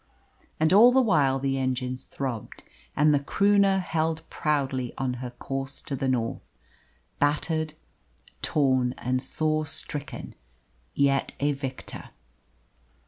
And all the while the engines throbbed, and the Croonah held proudly on her course to the north battered, torn, and sore stricken, yet a victor.